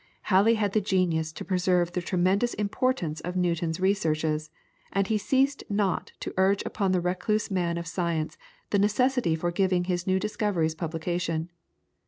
Halley had the genius to perceive the tremendous importance of Newton's researches, and he ceased not to urge upon the recluse man of science the necessity for giving his new discoveries publication.